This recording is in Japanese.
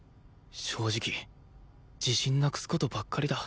正直自信なくす事ばっかりだ